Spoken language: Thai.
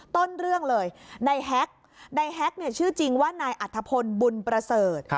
ต้นเรื่องเลยในแฮ็กชื่อจริงว่านายอัธพลบุญประเสริฐ